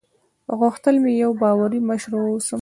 غوښتل مې یوه باوري مشره واوسم.